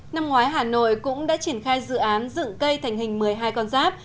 năm ngoái hà nội cũng đã triển khai dự án dựng cây thành hình một mươi hai con giáp